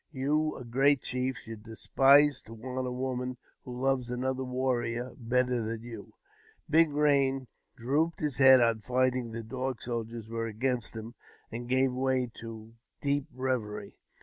You, a great chief, should despise to want a woman who loves another warrior better than you !" Big Eain drooped his head on finding the Dog Soldiers were against him, and gave way to deep reverie.